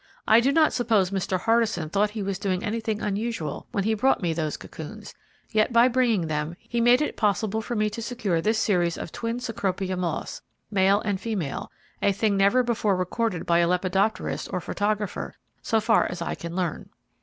I do not suppose Mr. Hardison thought he was doing anything unusual when he brought me those cocoons, yet by bringing them, he made it possible for me to secure this series of twin Cecropia moths, male and female, a thing never before recorded by lepidopterist or photographer so far as I can learn.